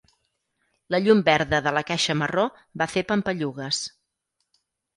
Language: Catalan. La llum verda de la caixa marró va fer pampallugues.